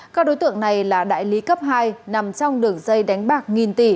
các đối tượng này là đại lý cấp hai nằm trong đường dây đánh bạc nghìn tỷ